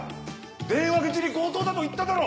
電話口に強盗だと言っただろ！